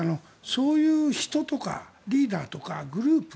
そういう人とかリーダーとかグループ。